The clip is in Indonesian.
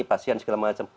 pasien segala macam